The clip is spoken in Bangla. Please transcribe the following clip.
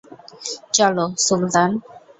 চলো, সুলতান।